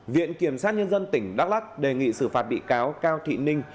viện kiểm sát nhân dân tỉnh đắk lắc đề nghị xử phạt bị cáo cao thị ninh